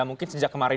mungkin sejak kemarin